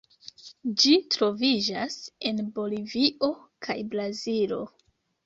Ĝi troviĝas en Bolivio kaj Brazilo.